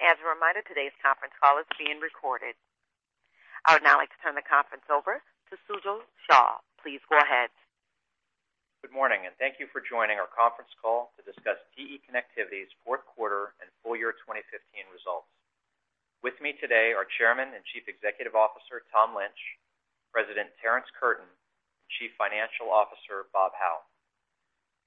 As a reminder, today's conference call is being recorded. I would now like to turn the conference over to Sujal Shah. Please go ahead. Good morning, and thank you for joining our conference call to discuss TE Connectivity's fourth quarter and full year 2015 results. With me today are Chairman and Chief Executive Officer, Tom Lynch, President Terrence Curtin, and Chief Financial Officer, Bob Hau.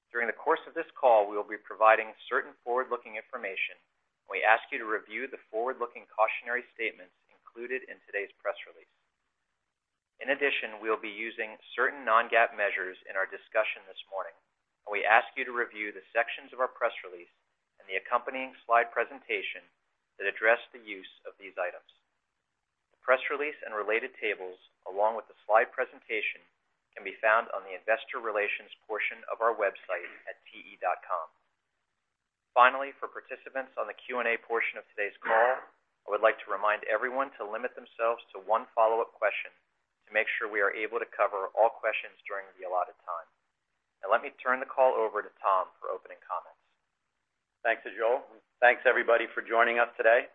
During the course of this call, we will be providing certain forward-looking information, and we ask you to review the forward-looking cautionary statements included in today's press release. In addition, we will be using certain non-GAAP measures in our discussion this morning, and we ask you to review the sections of our press release and the accompanying slide presentation that address the use of these items. The press release and related tables, along with the slide presentation, can be found on the investor relations portion of our website at te.com. Finally, for participants on the Q&A portion of today's call, I would like to remind everyone to limit themselves to one follow-up question to make sure we are able to cover all questions during the allotted time. Now, let me turn the call over to Tom for opening comments. Thanks, Sujal, and thanks, everybody, for joining us today.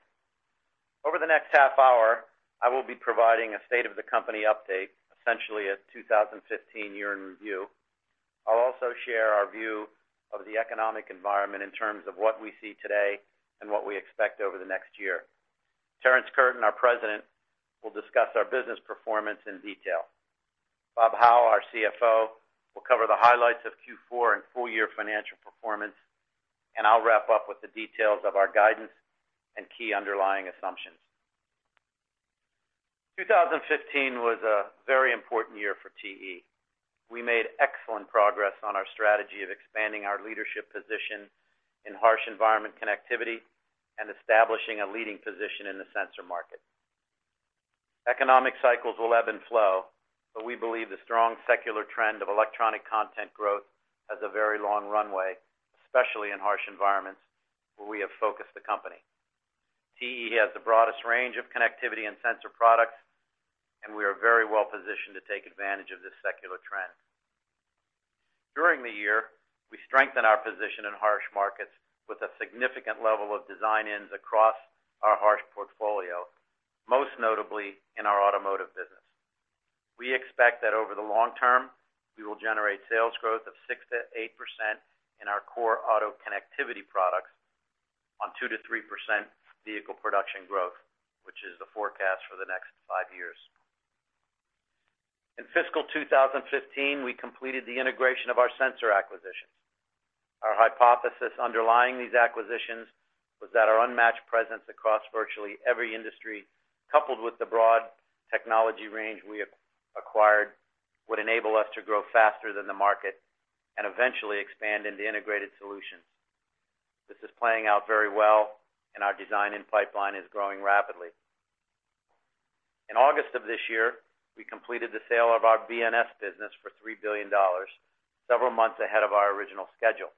Over the next half hour, I will be providing a state of the company update, essentially a 2015 year-in-review. I'll also share our view of the economic environment in terms of what we see today and what we expect over the next year. Terrence Curtin, our President, will discuss our business performance in detail. Bob Hau, our CFO, will cover the highlights of Q4 and full year financial performance, and I'll wrap up with the details of our guidance and key underlying assumptions. 2015 was a very important year for TE. We made excellent progress on our strategy of expanding our leadership position in Harsh Environment connectivity and establishing a leading position in the sensor market. Economic cycles will ebb and flow, but we believe the strong secular trend of electronic content growth has a very long runway, especially in harsh environments, where we have focused the company. TE has the broadest range of connectivity and sensor products, and we are very well positioned to take advantage of this secular trend. During the year, we strengthened our position in harsh markets with a significant level of design-ins across our harsh portfolio, most notably in our automotive business. We expect that over the long term, we will generate sales growth of 6%-8% in our core auto connectivity products on 2%-3% vehicle production growth, which is the forecast for the next five years. In fiscal 2015, we completed the integration of our sensor acquisitions. Our hypothesis underlying these acquisitions was that our unmatched presence across virtually every industry, coupled with the broad technology range we have acquired, would enable us to grow faster than the market and eventually expand into integrated solutions. This is playing out very well, and our design-in pipeline is growing rapidly. In August of this year, we completed the sale of our BNS business for $3 billion, several months ahead of our original schedule.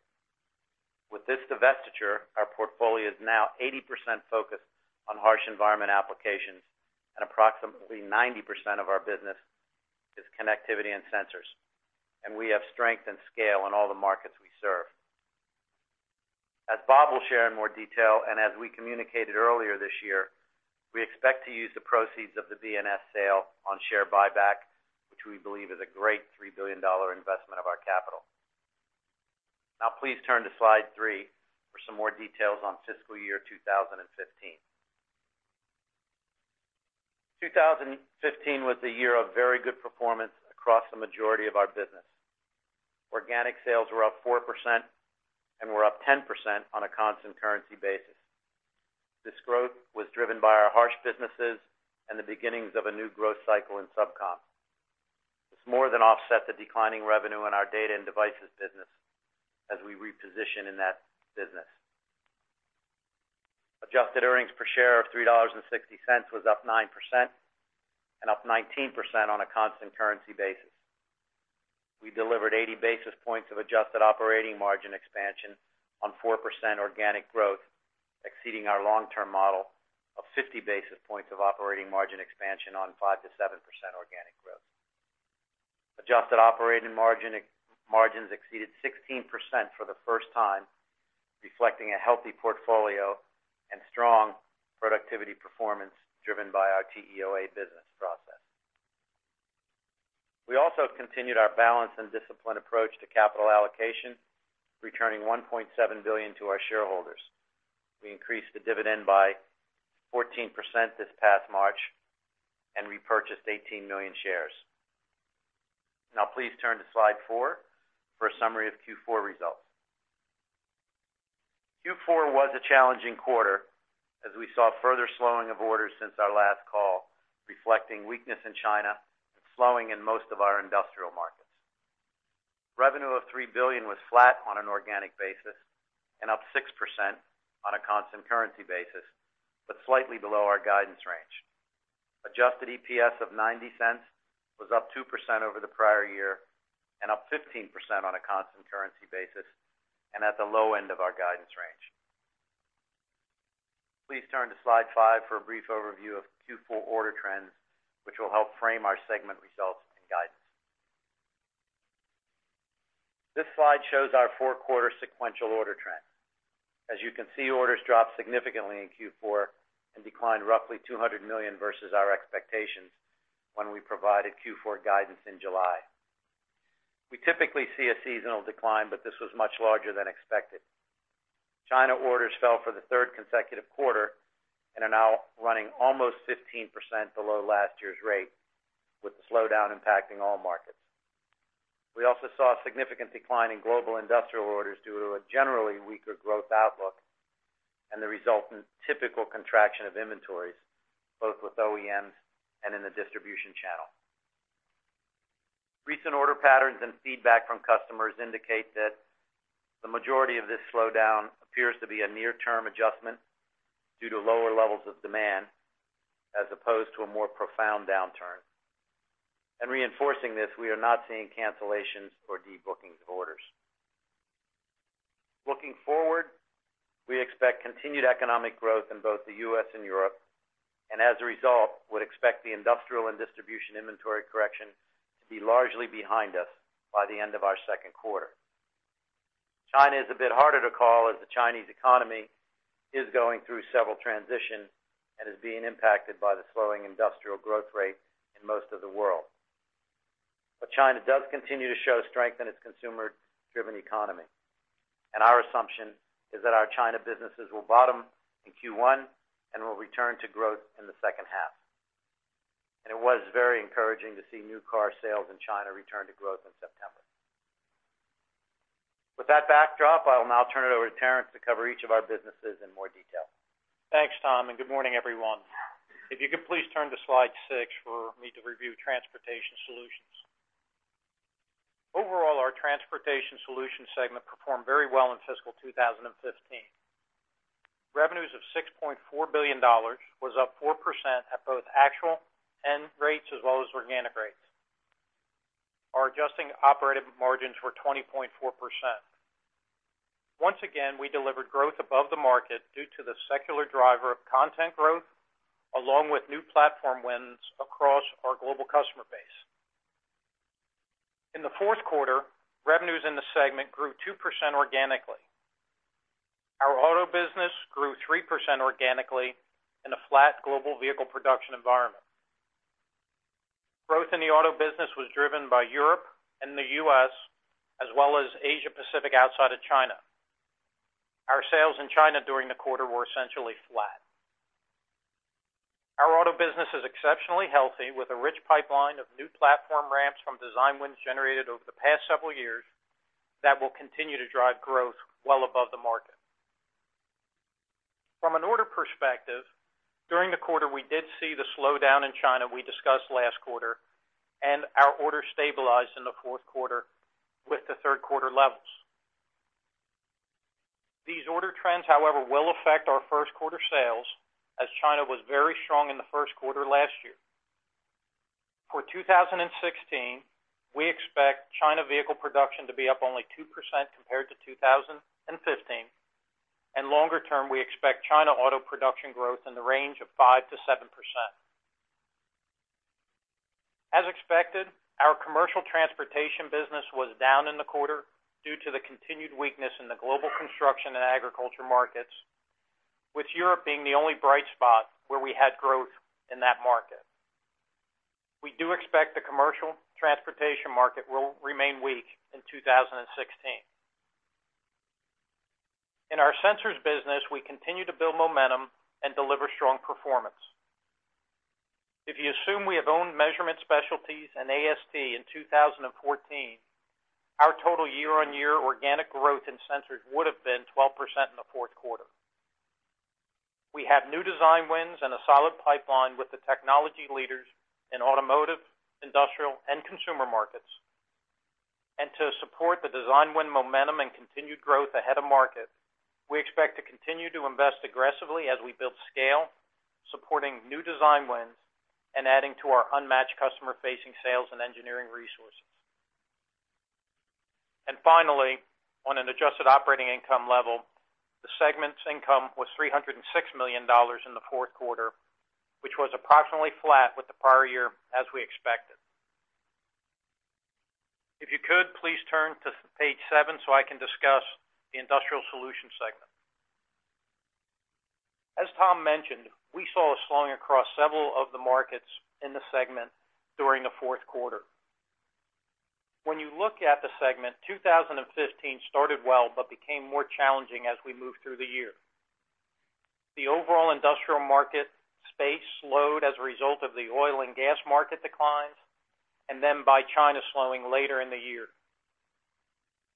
With this divestiture, our portfolio is now 80% focused on harsh environment applications, and approximately 90% of our business is connectivity and sensors, and we have strength and scale in all the markets we serve. As Bob will share in more detail, and as we communicated earlier this year, we expect to use the proceeds of the BNS sale on share buyback, which we believe is a great $3 billion investment of our capital. Now, please turn to slide three for some more details on fiscal year 2015. 2015 was a year of very good performance across the majority of our business. Organic sales were up 4% and were up 10% on a constant currency basis. This growth was driven by our harsh businesses and the beginnings of a new growth cycle in SubCom. This more than offset the declining revenue in our Data and Devices business as we reposition in that business. Adjusted earnings per share of $3.60 was up 9% and up 19% on a constant currency basis. We delivered 80 basis points of adjusted operating margin expansion on 4% organic growth, exceeding our long-term model of 50 basis points of operating margin expansion on 5%-7% organic growth. Adjusted operating margin, margins exceeded 16% for the first time, reflecting a healthy portfolio and strong productivity performance driven by our TEOA business process. We also continued our balanced and disciplined approach to capital allocation, returning $1.7 billion to our shareholders. We increased the dividend by 14% this past March and repurchased 18 million shares. Now, please turn to slide 4 for a summary of Q4 results. Q4 was a challenging quarter as we saw further slowing of orders since our last call, reflecting weakness in China and slowing in most of our industrial markets. Revenue of $3 billion was flat on an organic basis and up 6% on a constant currency basis, but slightly below our guidance range. Adjusted EPS of $0.90 was up 2% over the prior year and up 15% on a constant currency basis, and at the low end of our guidance range. Please turn to slide 5 for a brief overview of Q4 order trends, which will help frame our segment results and guidance. This slide shows our four-quarter sequential order trend. As you can see, orders dropped significantly in Q4 and declined roughly $200 million versus our expectations when we provided Q4 guidance in July. We typically see a seasonal decline, but this was much larger than expected. China orders fell for the third consecutive quarter and are now running almost 15% below last year's rate, with the slowdown impacting all markets. We also saw a significant decline in global industrial orders due to a generally weaker growth outlook and the resultant typical contraction of inventories, both with OEMs and in the distribution channel. Recent order patterns and feedback from customers indicate that the majority of this slowdown appears to be a near-term adjustment due to lower levels of demand, as opposed to a more profound downturn. Reinforcing this, we are not seeing cancellations or debookings of orders. Looking forward, we expect continued economic growth in both the U.S. and Europe, and as a result, would expect the industrial and distribution inventory correction to be largely behind us by the end of our second quarter. China is a bit harder to call, as the Chinese economy is going through several transitions and is being impacted by the slowing industrial growth rate in most of the world. But China does continue to show strength in its consumer-driven economy, and our assumption is that our China businesses will bottom in Q1 and will return to growth in the second half. And it was very encouraging to see new car sales in China return to growth in September. With that backdrop, I will now turn it over to Terrence to cover each of our businesses in more detail. Thanks, Tom, and good morning, everyone. If you could please turn to slide 6 for me to review Transportation Solutions. Overall, our Transportation Solutions segment performed very well in fiscal 2015. Revenues of $6.4 billion was up 4% at both actual and rates, as well as organic rates. Our adjusted operating margins were 20.4%. Once again, we delivered growth above the market due to the secular driver of content growth, along with new platform wins across our global customer base. In the fourth quarter, revenues in the segment grew 2% organically. Our auto business grew 3% organically in a flat global vehicle production environment. Growth in the auto business was driven by Europe and the U.S., as well as Asia Pacific outside of China. Our sales in China during the quarter were essentially flat. Our auto business is exceptionally healthy, with a rich pipeline of new platform ramps from design wins generated over the past several years that will continue to drive growth well above the market. From an order perspective, during the quarter, we did see the slowdown in China we discussed last quarter, and our orders stabilized in the fourth quarter with the third quarter levels. These order trends, however, will affect our first quarter sales, as China was very strong in the first quarter last year. For 2016, we expect China vehicle production to be up only 2% compared to 2015, and longer term, we expect China auto production growth in the range of 5%-7%. As expected, our Commercial Transportation business was down in the quarter due to the continued weakness in the global construction and agriculture markets, with Europe being the only bright spot where we had growth in that market. We do expect the Commercial Transportation market will remain weak in 2016. In our sensors business, we continue to build momentum and deliver strong performance. If you assume we have owned Measurement Specialties and AST in 2014, our total year-on-year organic growth in sensors would have been 12% in the fourth quarter. We have new design wins and a solid pipeline with the technology leaders in automotive, industrial, and consumer markets. And to support the design win momentum and continued growth ahead of market, we expect to continue to invest aggressively as we build scale, supporting new design wins and adding to our unmatched customer-facing sales and engineering resources. And finally, on an adjusted operating income level, the segment's income was $306 million in the fourth quarter, which was approximately flat with the prior year, as we expected. If you could, please turn to page 7, so I can discuss the Industrial Solutions segment. As Tom mentioned, we saw a slowing across several of the markets in the segment during the fourth quarter. When you look at the segment, 2015 started well, but became more challenging as we moved through the year. The overall industrial market space slowed as a result of the Oil and Gas market declines, and then by China slowing later in the year.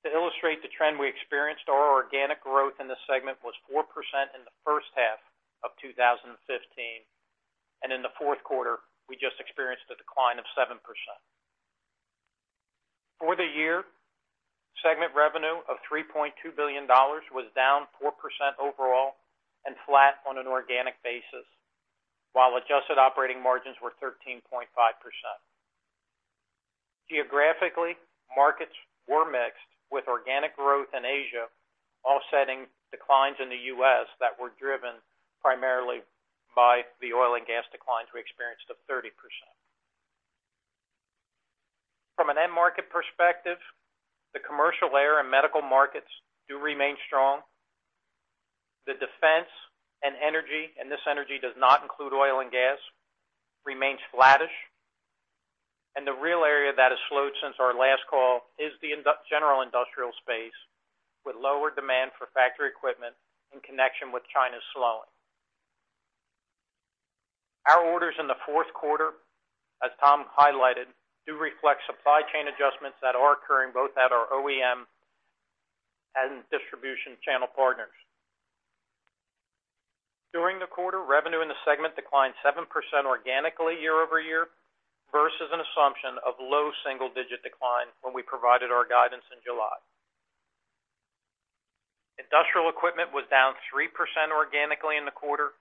To illustrate the trend we experienced, our organic growth in this segment was 4% in the first half of 2015, and in the fourth quarter, we just experienced a decline of 7%. For the year, segment revenue of $3.2 billion was down 4% overall and flat on an organic basis, while adjusted operating margins were 13.5%. Geographically, markets were mixed, with organic growth in Asia offsetting declines in the U.S. that were driven primarily by the Oil and Gas declines we experienced of 30%.... From an end market perspective, the Commercial Air and Medical markets do remain strong. The Defense and Energy, and this Energy does not include Oil and Gas, remains flattish. The real area that has slowed since our last call is the industrial space, with lower demand for factory equipment in connection with China's slowing. Our orders in the fourth quarter, as Tom highlighted, do reflect supply chain adjustments that are occurring both at our OEM and distribution channel partners. During the quarter, revenue in the segment declined 7% organically year-over-year, versus an assumption of low single-digit decline when we provided our guidance in July. Industrial Equipment was down 3% organically in the quarter,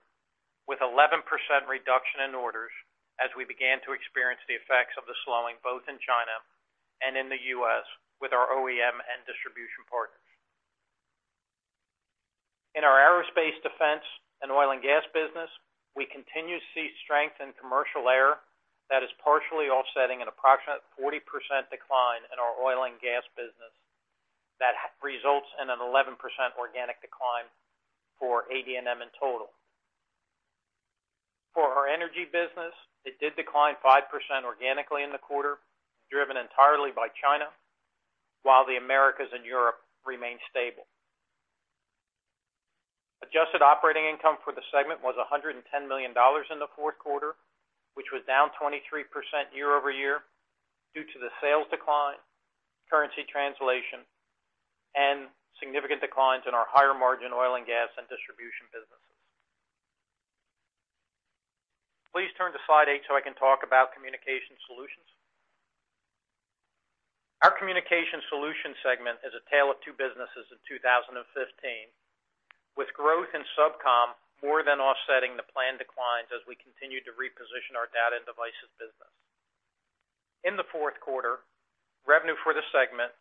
with 11% reduction in orders as we began to experience the effects of the slowing, both in China and in the US, with our OEM and distribution partners. In our aerospace, Defense, and Oil and Gas business, we continue to see strength in Commercial Air that is partially offsetting an approximate 40% decline in our Oil and Gas business that results in an 11% organic decline for AD&M in total. For our Energy business, it did decline 5% organically in the quarter, driven entirely by China, while the Americas and Europe remained stable. Adjusted operating income for the segment was $110 million in the fourth quarter, which was down 23% year-over-year due to the sales decline, currency translation, and significant declines in our higher-margin Oil and Gas and distribution businesses. Please turn to slide 8, so I can talk about Communication Solutions. Our Communication Solutions segment is a tale of two businesses in 2015, with growth in SubCom more than offsetting the planned declines as we continue to reposition our Data and Devices business. In the fourth quarter, revenue for the segment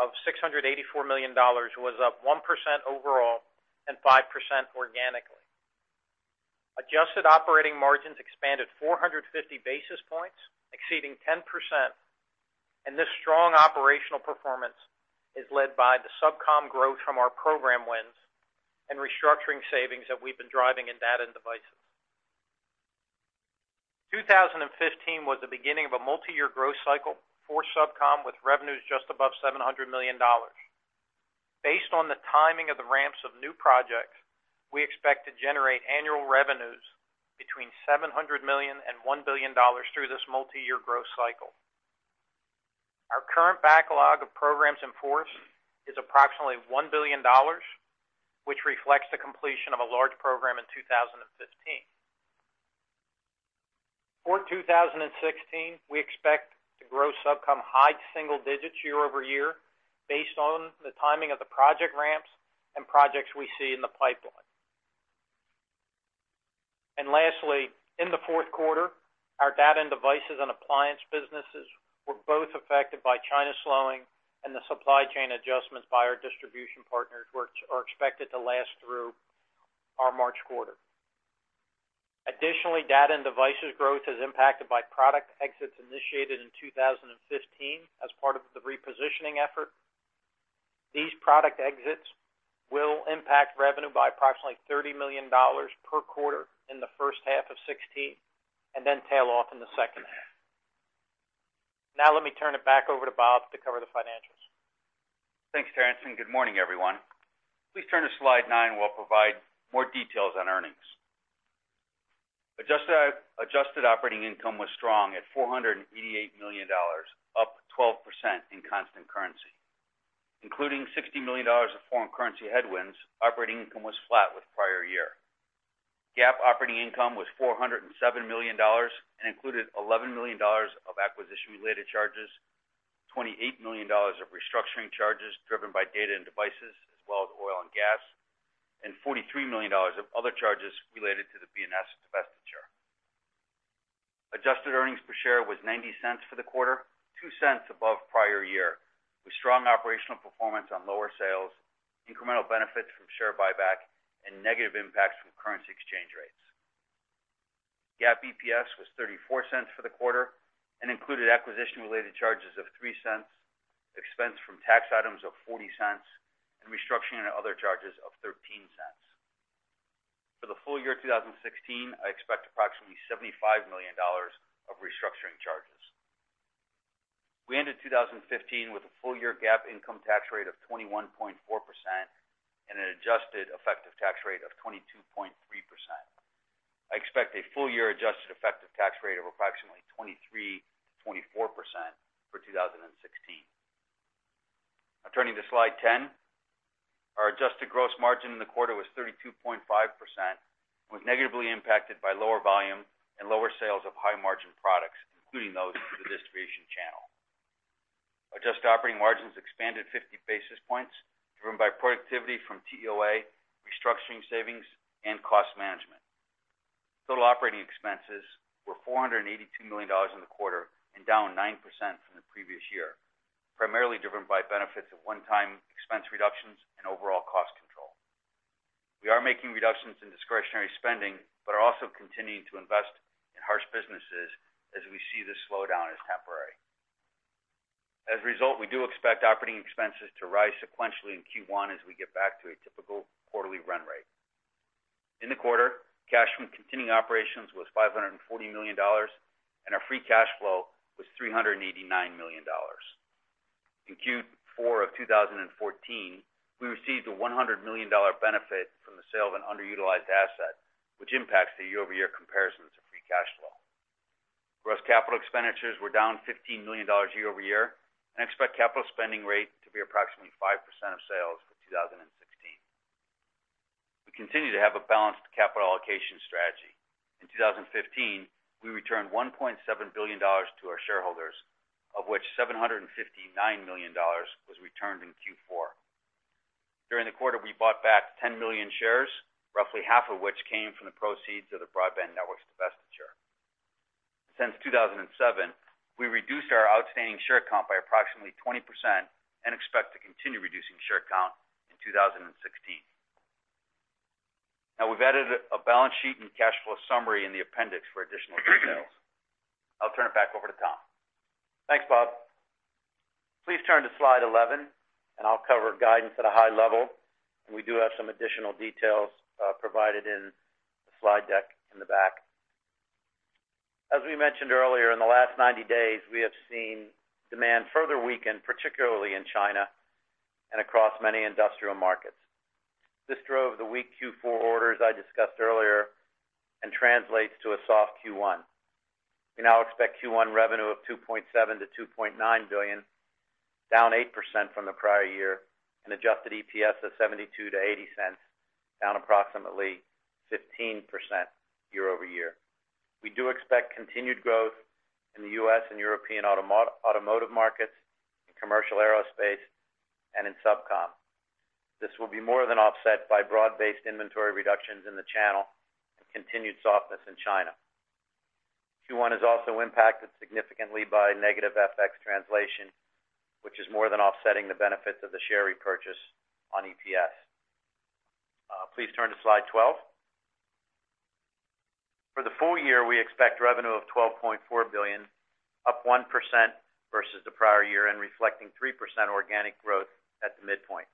of $684 million was up 1% overall, and 5% organically. Adjusted operating margins expanded 450 basis points, exceeding 10%, and this strong operational performance is led by the SubCom growth from our program wins and restructuring savings that we've been driving in Data and Devices. 2015 was the beginning of a multiyear growth cycle for SubCom, with revenues just above $700 million. Based on the timing of the ramps of new projects, we expect to generate annual revenues between $700 million and $1 billion through this multiyear growth cycle. Our current backlog of programs in force is approximately $1 billion, which reflects the completion of a large program in 2015. For 2016, we expect to grow SubCom high single digits year-over-year based on the timing of the project ramps and projects we see in the pipeline. Lastly, in the fourth quarter, our Data and Devices and Appliances businesses were both affected by China slowing, and the supply chain adjustments by our distribution partners, which are expected to last through our March quarter. Additionally, Data and Devices growth is impacted by product exits initiated in 2015 as part of the repositioning effort. These product exits will impact revenue by approximately $30 million per quarter in the first half of 2016, and then tail off in the second half. Now, let me turn it back over to Bob to cover the financials. Thanks, Terrence, and good morning, everyone. Please turn to slide 9, where I'll provide more details on earnings. Adjusted operating income was strong at $488 million, up 12% in constant currency. Including $60 million of foreign currency headwinds, operating income was flat with prior year. GAAP operating income was $407 million and included $11 million of acquisition-related charges, $28 million of restructuring charges driven by Data and Devices, as well as Oil and Gas, and $43 million of other charges related to the BNS divestiture. Adjusted earnings per share was $0.90 for the quarter, $0.02 above prior year, with strong operational performance on lower sales, incremental benefits from share buyback, and negative impacts from currency exchange rates. GAAP EPS was $0.34 for the quarter and included acquisition-related charges of $0.03, expense from tax items of $0.40, and restructuring and other charges of $0.13. For the full year 2016, I expect approximately $75 million of restructuring charges. We ended 2015 with a full year GAAP income tax rate of 21.4% and an adjusted effective tax rate of 22.3%. I expect a full year adjusted effective tax rate of approximately 23%-24% for 2016. Now, turning to slide 10. Our adjusted gross margin in the quarter was 32.5%, was negatively impacted by lower volume and lower sales of high-margin products, including those through the distribution channel. Adjusted operating margins expanded 50 basis points, driven by productivity from TEOA, restructuring savings, and cost management. Total operating expenses were $482 million in the quarter, and down 9% from the previous year, primarily driven by benefits of one-time expense reductions and overall cost control. We are making reductions in discretionary spending, but are also continuing to invest in harsh businesses as we see this slowdown as temporary. As a result, we do expect operating expenses to rise sequentially in Q1 as we get back to a typical quarterly run rate. In the quarter, cash from continuing operations was $540 million, and our free cash flow was $389 million. In Q4 of 2014, we received a $100 million dollar benefit from the sale of an underutilized asset, which impacts the year-over-year comparisons of free cash flow. Gross capital expenditures were down $15 million year-over-year, and expect capital spending rate to be approximately 5% of sales for 2016. We continue to have a balanced capital allocation strategy. In 2015, we returned $1.7 billion to our shareholders, of which $759 million was returned in Q4. During the quarter, we bought back 10 million shares, roughly half of which came from the proceeds of the broadband networks divestiture. Since 2007, we reduced our outstanding share count by approximately 20% and expect to continue reducing share count in 2016. Now, we've added a balance sheet and cash flow summary in the appendix for additional details. I'll turn it back over to Tom. Thanks, Bob. Please turn to slide 11, and I'll cover guidance at a high level, and we do have some additional details provided in the slide deck in the back. As we mentioned earlier, in the last 90 days, we have seen demand further weaken, particularly in China and across many industrial markets. This drove the weak Q4 orders I discussed earlier and translates to a soft Q1. We now expect Q1 revenue of $2.7 billion-$2.9 billion, down 8% from the prior year, and adjusted EPS of $0.72-$0.80, down approximately 15% year-over-year. We do expect continued growth in the U.S. and European automotive markets, in commercial aerospace, and in SubCom. This will be more than offset by broad-based inventory reductions in the channel and continued softness in China. Q1 is also impacted significantly by negative FX translation, which is more than offsetting the benefits of the share repurchase on EPS. Please turn to slide 12. For the full year, we expect revenue of $12.4 billion, up 1% versus the prior year and reflecting 3% organic growth at the midpoint.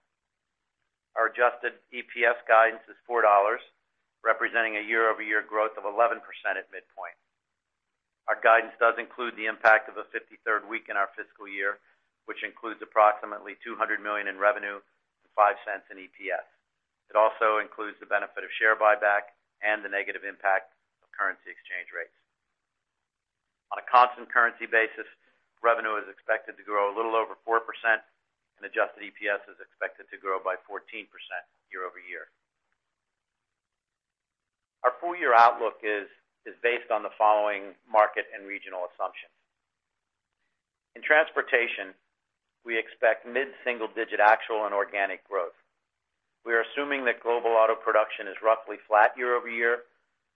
Our adjusted EPS guidance is $4, representing a year-over-year growth of 11% at midpoint. Our guidance does include the impact of a 53rd week in our fiscal year, which includes approximately $200 million in revenue to $0.05 in EPS. It also includes the benefit of share buyback and the negative impact of currency exchange rates. On a constant currency basis, revenue is expected to grow a little over 4%, and adjusted EPS is expected to grow by 14% year-over-year. Our full-year outlook is based on the following market and regional assumptions. In Transportation, we expect mid-single-digit actual and organic growth. We are assuming that global auto production is roughly flat year-over-year,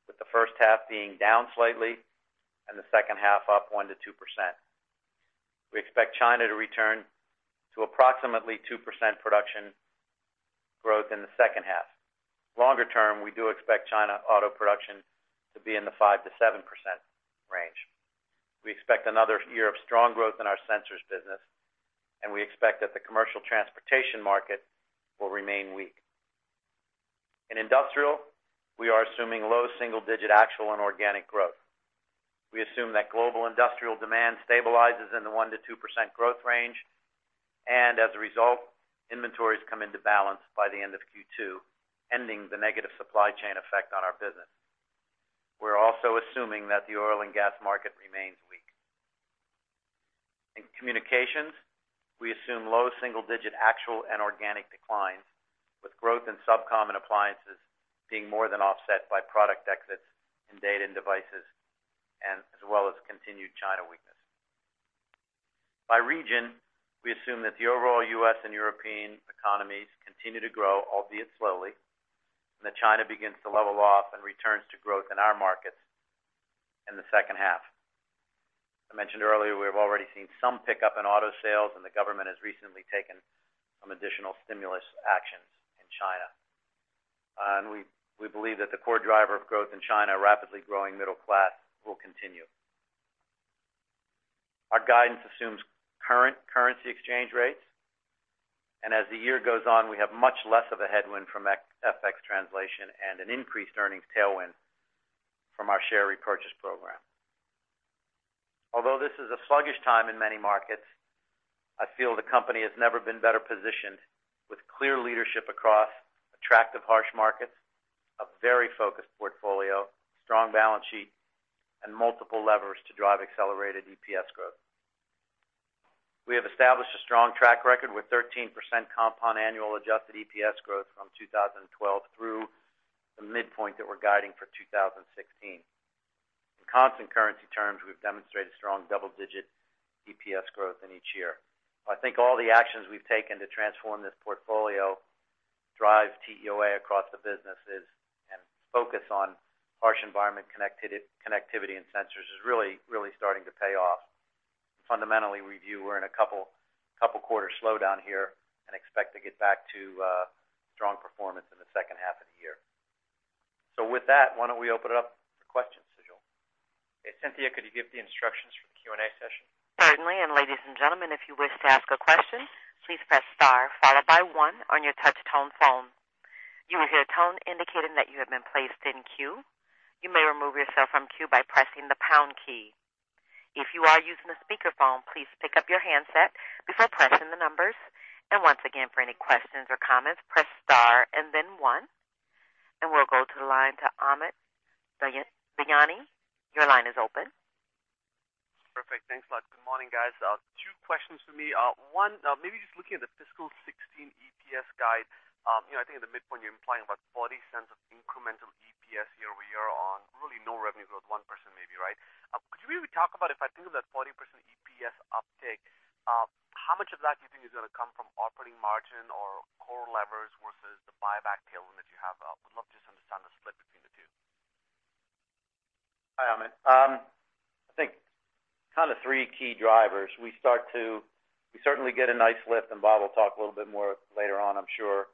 with the first half being down slightly and the second half up 1%-2%. We expect China to return to approximately 2% production growth in the second half. Longer term, we do expect China auto production to be in the 5%-7% range. We expect another year of strong growth in our sensors business, and we expect that the Commercial Transportation market will remain weak. In industrial, we are assuming low single-digit actual and organic growth. We assume that global industrial demand stabilizes in the 1%-2% growth range, and as a result, inventories come into balance by the end of Q2, ending the negative supply chain effect on our business. We're also assuming that the Oil and Gas market remains weak. In communications, we assume low single-digit actual and organic declines, with growth in SubCom and Appliances being more than offset by product exits in Data and Devices, and as well as continued China weakness. By region, we assume that the overall U.S. and European economies continue to grow, albeit slowly, and that China begins to level off and returns to growth in our markets in the second half. I mentioned earlier, we have already seen some pickup in auto sales, and the government has recently taken some additional stimulus actions in China. And we believe that the core driver of growth in China, rapidly growing middle class, will continue. Our guidance assumes current currency exchange rates, and as the year goes on, we have much less of a headwind from FX translation and an increased earnings tailwind from our share repurchase program. Although this is a sluggish time in many markets, I feel the company has never been better positioned with clear leadership across attractive harsh markets, a very focused portfolio, strong balance sheet, and multiple levers to drive accelerated EPS growth. We have established a strong track record with 13% compound annual adjusted EPS growth from 2012 through the midpoint that we're guiding for 2016. In constant currency terms, we've demonstrated strong double-digit EPS growth in each year. I think all the actions we've taken to transform this portfolio drive TEOA across the business focus on harsh environment, connected connectivity and sensors is really, really starting to pay off. Fundamentally, we view we're in a couple quarter slowdown here and expect to get back to strong performance in the second half of the year. So with that, why don't we open it up for questions, Sujal? Hey, Cynthia, could you give the instructions for the Q&A session? Certainly, and ladies and gentlemen, if you wish to ask a question, please press star followed by one on your touch tone phone. You will hear a tone indicating that you have been placed in queue. You may remove yourself from queue by pressing the pound key. If you are using a speakerphone, please pick up your handset before pressing the numbers. And once again, for any questions or comments, press star and then one, and we'll go to the line to Amit Daryanani. Your line is open. Perfect. Thanks a lot. Good morning, guys. Two questions for me. One, maybe just looking at the fiscal 2016 EPS guide, you know, I think in the midpoint, you're implying about $0.40 of incremental EPS year-over-year on really no revenue growth, 1% maybe, right? Could you maybe talk about, if I think of that 40% EPS uptick, how much of that do you think is gonna come from operating margin or core levers versus the buyback tailwind that you have? Would love to just understand the split between the two. Hi, Amit. I think kind of three key drivers. We certainly get a nice lift, and Bob will talk a little bit more later on, I'm sure,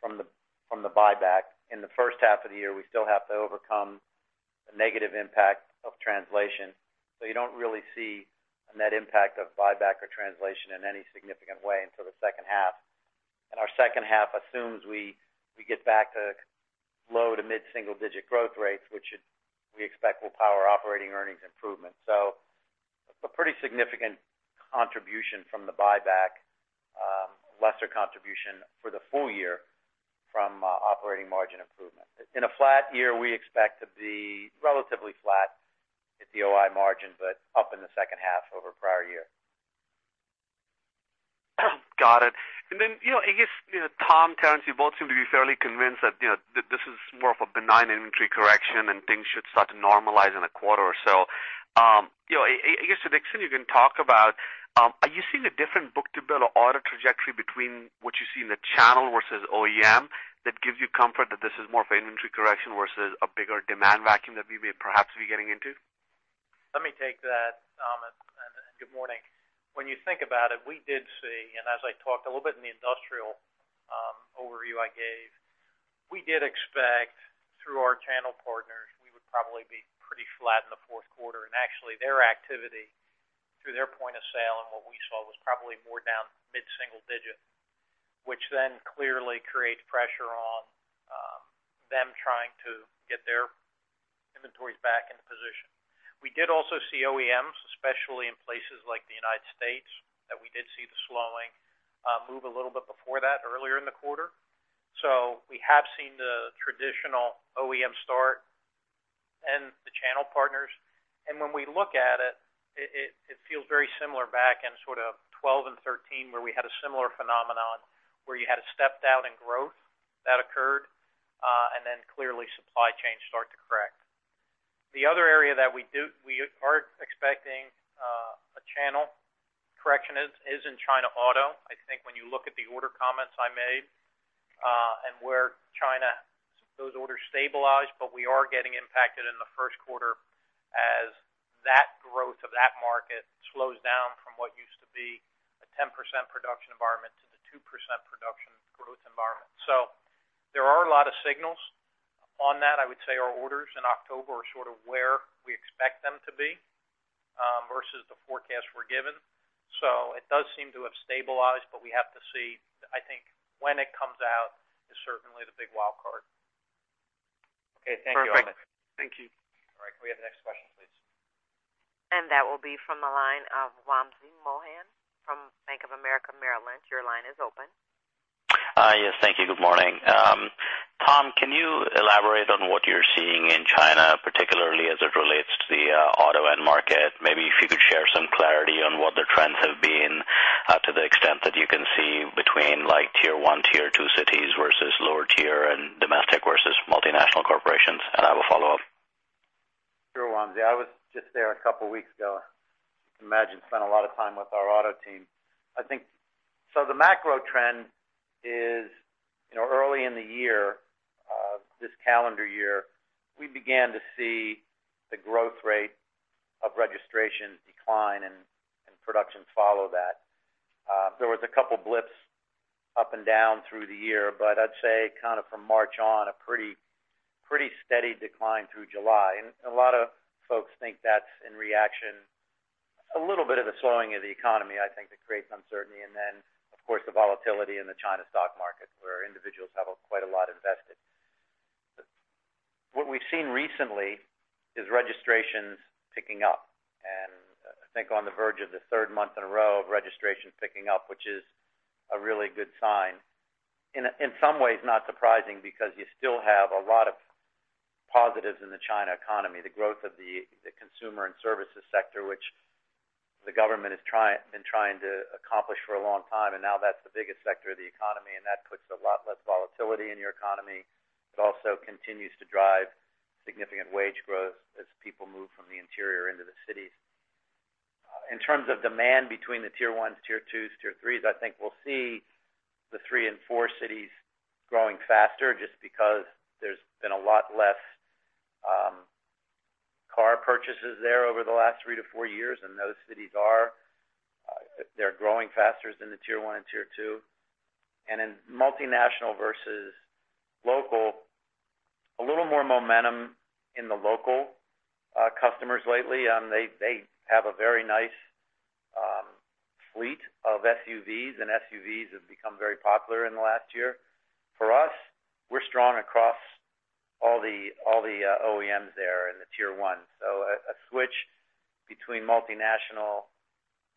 from the buyback. In the first half of the year, we still have to overcome the negative impact of translation. So you don't really see a net impact of buyback or translation in any significant way until the second half. And our second half assumes we get back to low to mid-single digit growth rates, which should, we expect will power operating earnings improvement. So a pretty significant contribution from the buyback, lesser contribution for the full year from operating margin improvement. In a flat year, we expect to be relatively flat at the OI margin, but up in the second half over prior year. Got it. And then, you know, I guess, you know, Tom, Terrence, you both seem to be fairly convinced that, you know, this is more of a benign inventory correction, and things should start to normalize in a quarter or so. You know, I guess to the extent you can talk about, are you seeing a different Book-to-Bill or order trajectory between what you see in the channel versus OEM, that gives you comfort that this is more of an inventory correction versus a bigger demand vacuum that we may perhaps be getting into? Let me take that, Amit, and good morning. When you think about it, we did see, and as I talked a little bit in the industrial overview I gave, we did expect through our channel partners, we would probably be pretty flat in the fourth quarter. Actually, their activity through their point of sale and what we saw was probably more down mid-single digit, which then clearly creates pressure on them trying to get their inventories back into position. We did also see OEMs, especially in places like the United States, that we did see the slowing move a little bit before that, earlier in the quarter. So we have seen the traditional OEM start and the channel partners. When we look at it, it feels very similar back in sort of 2012 and 2013, where we had a similar phenomenon, where you had a stepped out in growth that occurred, and then clearly supply chains start to correct. The other area that we are expecting a channel correction is in China auto. I think when you look at the order comments I made, and where China, those orders stabilize, but we are getting impacted in the first quarter as that growth of that market slows down from what used to be a 10% production environment to the 2% production growth environment. So there are a lot of signals on that. I would say our orders in October are sort of where we expect them to be versus the forecast we're given. It does seem to have stabilized, but we have to see, I think, when it comes out, is certainly the big wild card. Okay, thank you, Amit. Perfect. Thank you. All right, can we have the next question, please? And that will be from the line of Wamsi Mohan from Bank of America Merrill Lynch. Your line is open. Yes, thank you. Good morning. Tom, can you elaborate on what you're seeing in China, particularly as it relates to the auto end market? Maybe if you could share some clarity on what the trends have been, to the extent that you can see between like tier one, tier two cities versus lower tier and domestic versus multinational corporations? And I have a follow-up. Sure, Wamsi. I was just there a couple of weeks ago. You can imagine, spent a lot of time with our auto team. I think, so the macro trend is, you know, early in the year, this calendar year, we began to see the growth rate of registration decline and production follow that. There was a couple of blips up and down through the year, but I'd say kind of from March on, a pretty, pretty steady decline through July. And a lot of folks think that's in reaction, a little bit of a slowing of the economy, I think, that creates uncertainty. And then, of course, the volatility in the China stock market, where individuals have quite a lot invested. What we've seen recently is registrations picking up, and I think on the verge of the third month in a row of registration picking up, which is a really good sign. In some ways, not surprising, because you still have a lot of positives in the China economy, the growth of the consumer and services sector, which the government is trying—been trying to accomplish for a long time, and now that's the biggest sector of the economy, and that puts a lot less volatility in your economy. It also continues to drive significant wage growth as people move from the interior into the cities... In terms of demand between the Tier Ones, Tier Twos, Tier Threes, I think we'll see the 3 and 4 cities growing faster just because there's been a lot less car purchases there over the last 3-4 years, and those cities are they're growing faster than the Tier One and Tier Two. And in multinational versus local, a little more momentum in the local customers lately. They have a very nice fleet of SUVs, and SUVs have become very popular in the last year. For us, we're strong across all the OEMs there in the Tier One. So a switch between multinational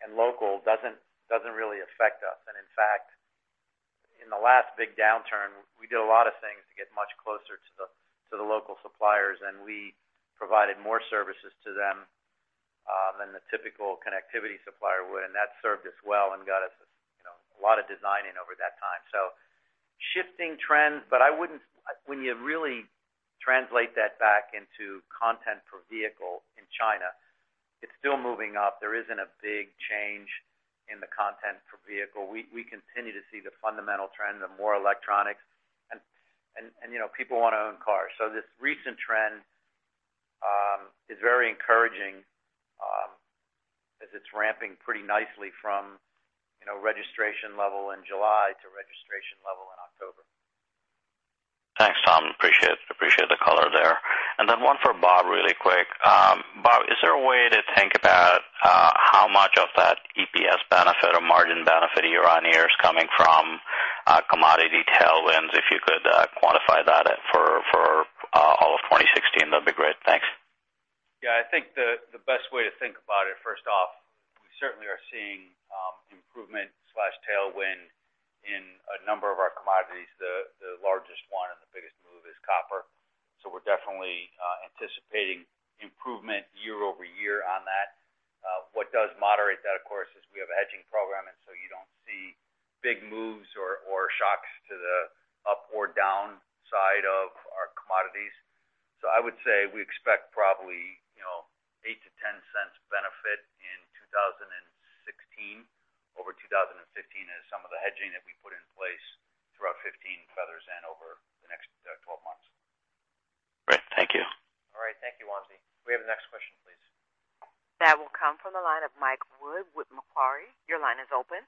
and local doesn't really affect us. In fact, in the last big downturn, we did a lot of things to get much closer to the, to the local suppliers, and we provided more services to them than the typical connectivity supplier would, and that served us well and got us, you know, a lot of design in over that time. So shifting trends, but I wouldn't when you really translate that back into content per vehicle in China, it's still moving up. There isn't a big change in the content per vehicle. We continue to see the fundamental trend of more electronics and, you know, people want to own cars. So this recent trend is very encouraging as it's ramping pretty nicely from, you know, registration level in July to registration level in October. Thanks, Tom. Appreciate, appreciate the color there. And then one for Bob, really quick. Bob, is there a way to think about, how much of that EPS benefit or margin benefit year-on-year is coming from, commodity tailwinds? If you could, quantify that for, for, all of 2016, that'd be great. Thanks. Yeah, I think the best way to think about it, first off, we certainly are seeing improvement slash tailwind in a number of our commodities. The largest one and the biggest move is copper. So we're definitely anticipating improvement year-over-year on that. What does moderate that, of course, is we have a hedging program, and so you don't see big moves or shocks to the up or down side of our commodities. So I would say we expect probably, you know, $0.08-$0.10 benefit in 2016 over 2015, as some of the hedging that we put in place throughout 2015 feathers in over the next twelve months. Great. Thank you. All right. Thank you, Wamsi. Can we have the next question, please? That will come from the line of Mike Wood, with Macquarie. Your line is open.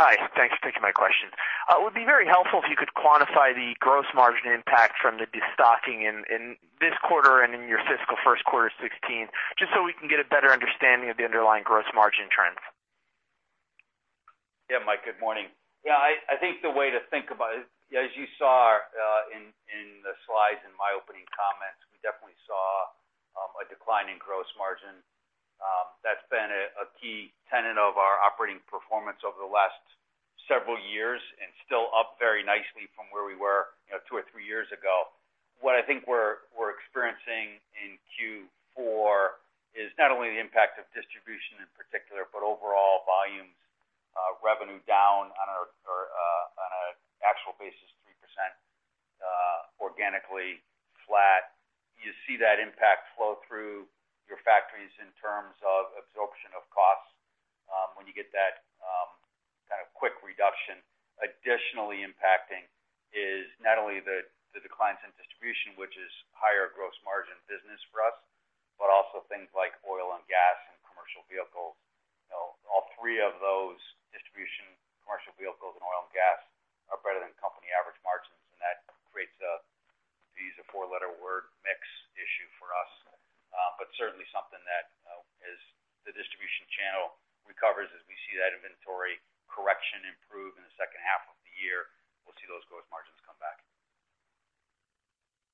Hi, thanks for taking my question. It would be very helpful if you could quantify the gross margin impact from the destocking in this quarter and in your fiscal first quarter 2016, just so we can get a better understanding of the underlying gross margin trends. Yeah, Mike, good morning. Yeah, I think the way to think about it, as you saw, in the slides in my opening comments, we definitely saw a decline in gross margin. That's been a key tenet of our operating performance over the last several years and still up very nicely from where we were, you know, two or three years ago. What I think we're experiencing in Q4 is not only the impact of distribution in particular, but overall volumes, revenue down on an actual basis, 3%, organically flat. You see that impact flow through your factories in terms of absorption of costs, when you get that kind of quick reduction. Additionally impacting is not only the declines in distribution, which is higher gross margin business for us, but also things like Oil and Gas and commercial vehicles. You know, all three of those, distribution, commercial vehicles, and Oil and Gas, are better than company average margins, and that creates a, to use a four-letter word, mix issue for us. But certainly something that, as the distribution channel recovers, as we see that inventory correction improve in the second half of the year, we'll see those gross margins come back.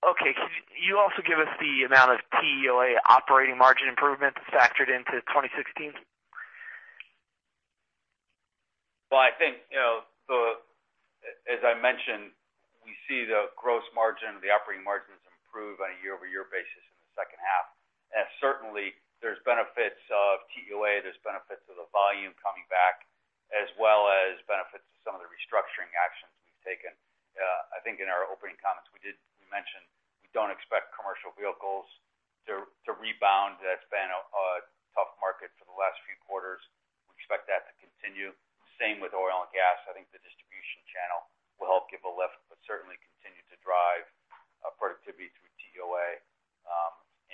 Okay. Could you also give us the amount of TEOA operating margin improvement factored into 2016? Well, I think, you know, the, as I mentioned, we see the gross margin, the operating margins improve on a year-over-year basis in the second half. And certainly, there's benefits of TEOA, there's benefits of the volume coming back, as well as benefits of some of the restructuring actions we've taken. I think in our opening comments, we did mention, we don't expect commercial vehicles to rebound. That's been a tough market for the last few quarters. We expect that to continue. Same with Oil and Gas. I think the distribution channel will help give a lift, but certainly continue to drive productivity through TEOA,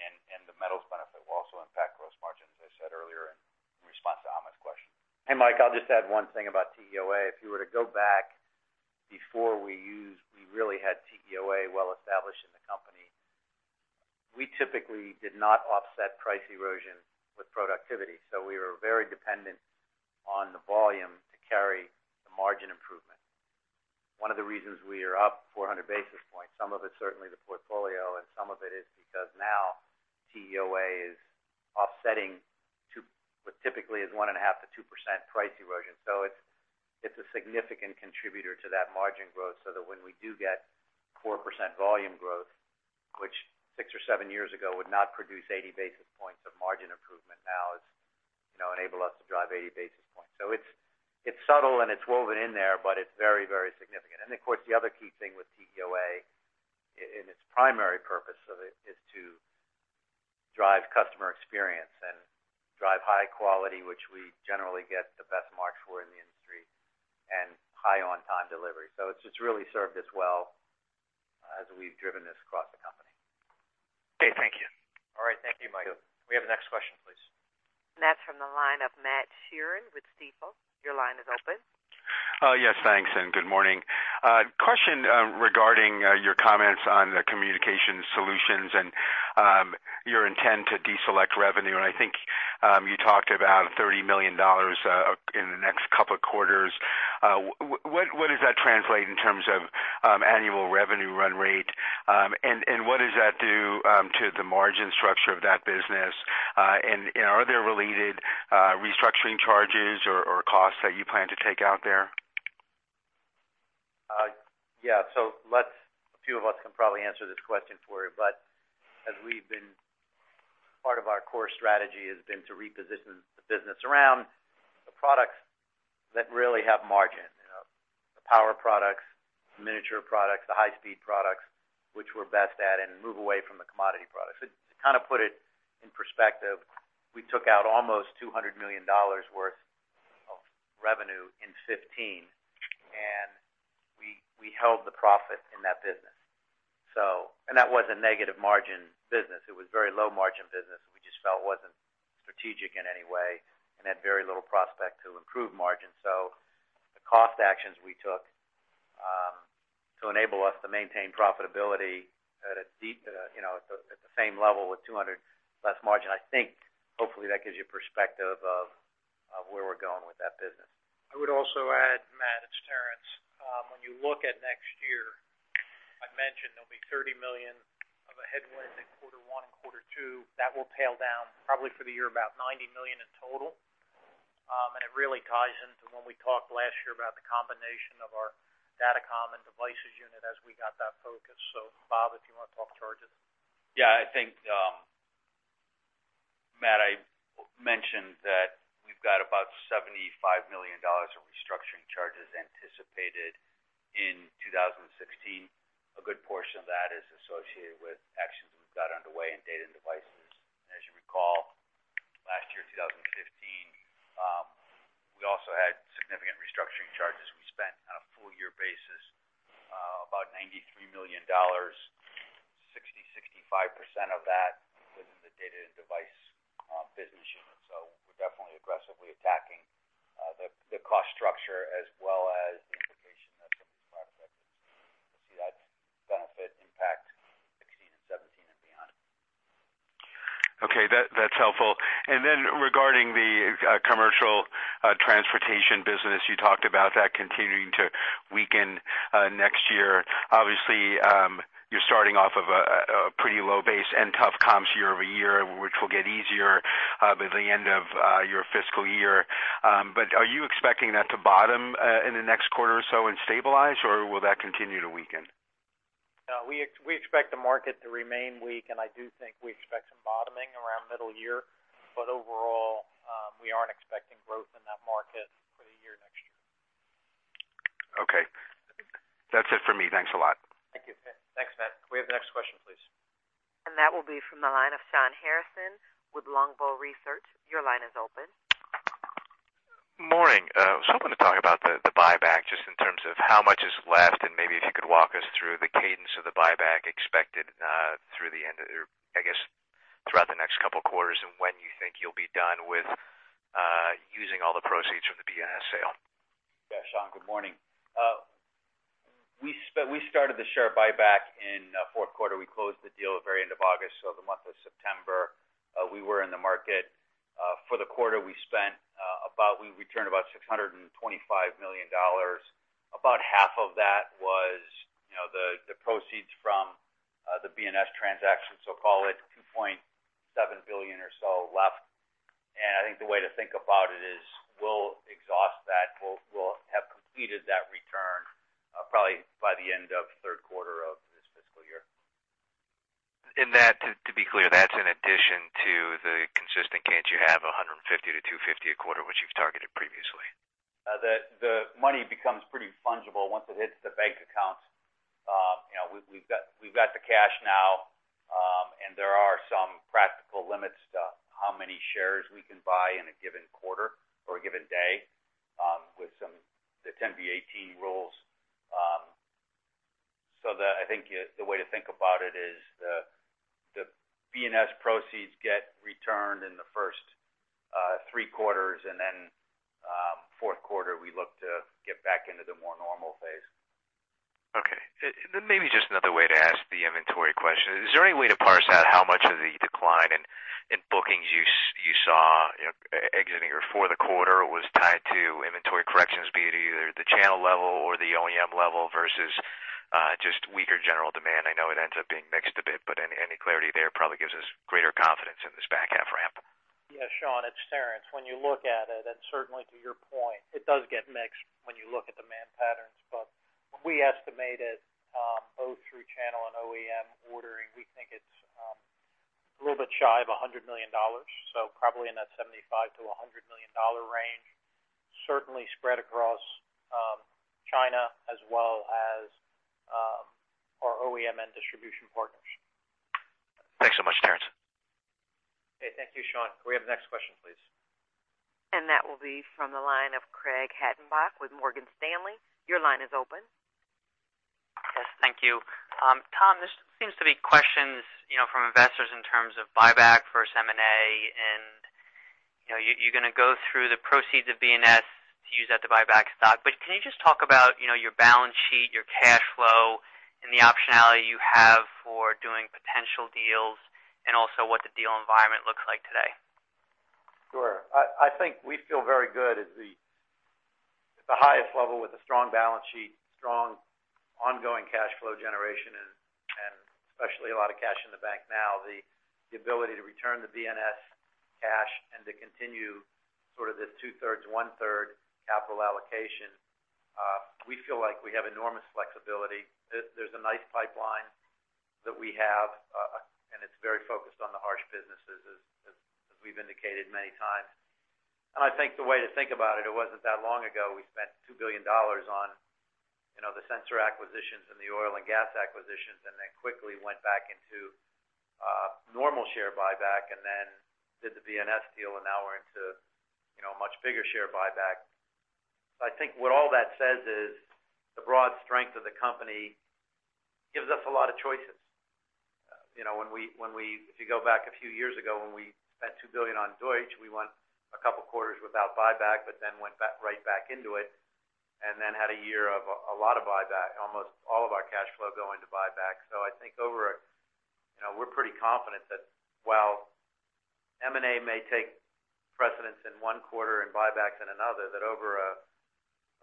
and the metals benefit will also impact gross margin, as I said earlier in response to Amit's question. Hey, Mike, I'll just add one thing about TEOA. If you were to go back before we used—we really had TEOA well established in the company, we typically did not offset price erosion with productivity, so we were very dependent on the volume to carry the margin improvement. One of the reasons we are up 400 basis points, some of it's certainly the portfolio, and some of it is because now TEOA is offsetting two—what typically is 1.5%-2% price erosion. So it's, it's a significant contributor to that margin growth, so that when we do get 4% volume growth, which 6 or 7 years ago would not produce 80 basis points of margin improvement, now it's, you know, enable us to drive 80 basis points. So it's, it's subtle, and it's woven in there, but it's very, very significant. Of course, the other key thing with TEOA and its primary purpose of it is to drive customer experience and drive high quality, which we generally get the best marks for in the industry, and high on-time delivery. So it's just really served us well as we've driven this across the company. Okay, thank you. All right. Thank you, Michael. Can we have the next question, please? That's from the line of Matt Sheerin with Stifel. Your line is open. Yes, thanks, and good morning. Question regarding your comments on the Communications Solutions and your intent to deselect revenue. And I think you talked about $30 million in the next couple of quarters. What does that translate in terms of annual revenue run rate? And what does that do to the margin structure of that business? And are there related restructuring charges or costs that you plan to take out there? Yeah. So let's, a few of us can probably answer this question for you. But as we've been, part of our core strategy has been to reposition the business around the products that really have margin. You know, the power products, the miniature products, the high-speed products, which we're best at, and move away from the commodity products. To, to kind of put it in perspective, we took out almost $200 million worth of revenue in 2015, and we held the profit in that business. So. And that was a negative margin business. It was very low margin business, we just felt it wasn't strategic in any way and had very little prospect to improve margin. So the cost actions we took to enable us to maintain profitability at a deep, you know, at the same level with 200 less margin. I think hopefully that gives you perspective of where we're going with that business. I would also add, Matt, it's Terrence. When you look at next year, I've mentioned there'll be $30 million of a headwind in quarter one and quarter two. That will tail down probably for the year, about $90 million in total. And it really ties into when we talked last year about the combination of our Data and Devices unit as we got that focus. So Bob, if you want to talk charges. Yeah, I think, Matt, I mentioned that we've got about $75 million of restructuring charges anticipated in 2016. A good portion of that is associated with actions we've got underway in Data and Devices. As you recall, last year, 2015, we also had significant restructuring charges. We spent, on a full year basis, about $93 million, 65% of that within the Data and Devices business unit. We're definitely aggressively attacking the cost structure as well as the implication of some of these product exits. We'll see that benefit impact 2016 and 2017 and beyond. Okay, that, that's helpful. And then regarding the Commercial Transportation business, you talked about that continuing to weaken next year. Obviously, you're starting off of a pretty low base and tough comps year over year, which will get easier by the end of your fiscal year. But are you expecting that to bottom in the next quarter or so and stabilize, or will that continue to weaken? We expect the market to remain weak, and I do think we expect some bottoming around middle year. But overall, we aren't expecting growth in that market for the year next year. Okay. That's it for me. Thanks a lot. Thank you. Thanks, Matt. Can we have the next question, please? That will be from the line of Shawn Harrison with Longbow Research. Your line is open. Morning. So I'm going to talk about the buyback, just in terms of how much is left, and maybe if you could walk us through the cadence of the buyback expected through the end of the year, I guess, throughout the next couple of quarters, and when you think you'll be done with using all the proceeds from the BNS sale. Yeah, Shawn, good morning. We started the share buyback in fourth quarter. We closed the deal at the very end of August, so the month of September, we were in the market. For the quarter, we spent about, we returned about $625 million. About half of that was, you know, the proceeds from the BNS transaction, so call it $2.7 billion or so left. And I think the way to think about it is, we'll exhaust that. We'll have completed that return probably by the end of third quarter of this fiscal year. That, to be clear, that's in addition to the consistent cadence you have $150-$250 a quarter, which you've targeted previously. The money becomes pretty fungible once it hits the bank accounts. You know, we've got the cash now, and there are some practical limits to how many shares we can buy in a given quarter or a given day, with the 10b-18 rules. So I think the way to think about it is the BNS proceeds get returned in the first three quarters, and then fourth quarter, we look to get back into the more normal phase. Okay. Then maybe just another way to ask the inventory question: Is there any way to parse out how much of the decline in bookings you saw, you know, exiting or for the quarter was tied to inventory corrections, be it either the channel level or the OEM level, versus just weaker general demand? I know it ends up being mixed a bit, but any clarity there probably gives us greater confidence in this back half ramp. Yeah, Shawn, it's Terrence. When you look at it, and certainly to your point, it does get mixed when you look at demand patterns. But we estimated, both through channel and OEM... a little bit shy of $100 million, so probably in that $75 million-$100 million range, certainly spread across China as well as our OEM and distribution partners. Thanks so much, Terrence. Okay, thank you, Shawn. Can we have the next question, please? That will be from the line of Craig Hettenbach with Morgan Stanley. Your line is open. Yes, thank you. Tom, there seems to be questions, you know, from investors in terms of buyback versus M&A, and, you know, you're, you're gonna go through the proceeds of BNS to use that to buy back stock. But can you just talk about, you know, your balance sheet, your cash flow, and the optionality you have for doing potential deals, and also what the deal environment looks like today? Sure. I think we feel very good at the highest level with a strong balance sheet, strong ongoing cash flow generation, and especially a lot of cash in the bank now, the ability to return the BNS cash and to continue sort of this two-thirds, one-third capital allocation. We feel like we have enormous flexibility. There's a nice pipeline that we have, and it's very focused on the harsh businesses as we've indicated many times. And I think the way to think about it, it wasn't that long ago, we spent $2 billion on, you know, the sensor acquisitions and the Oil and Gas acquisitions, and then quickly went back into normal share buyback, and then did the BNS deal, and now we're into, you know, a much bigger share buyback. So I think what all that says is, the broad strength of the company gives us a lot of choices. You know, when we, when we-- if you go back a few years ago, when we spent $2 billion on Deutsche, we went a couple of quarters without buyback, but then went back, right back into it, and then had a year of a, a lot of buyback, almost all of our cash flow going to buyback. So I think over a... You know, we're pretty confident that while M&A may take precedence in one quarter and buyback in another, that over a,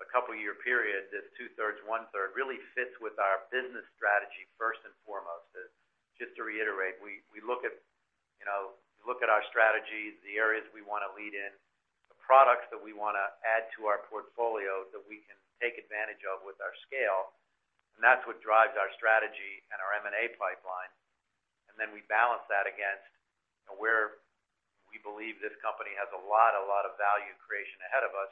a couple of year period, this two-thirds, one-third really fits with our business strategy first and foremost. Just to reiterate, we look at, you know, we look at our strategies, the areas we wanna lead in, the products that we wanna add to our portfolio that we can take advantage of with our scale, and that's what drives our strategy and our M&A pipeline. And then we balance that against where we believe this company has a lot, a lot of value creation ahead of us,